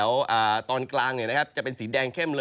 แต่ว่าในช่วงบ่ายนะครับอากาศค่อนข้างร้อนและอุ๊บนะครับ